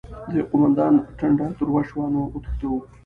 د يوه قوماندان ټنډه تروه شوه: نو وتښتو؟!